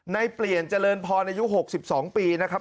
เปลี่ยนเจริญพรอายุ๖๒ปีนะครับ